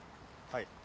はい。